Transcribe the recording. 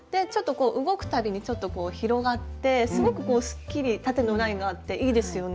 動く度にちょっとこう広がってすごくこうすっきり縦のラインがあっていいですよね。